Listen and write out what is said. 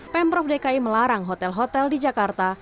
pemprov dki melarang hotel hotel di jakarta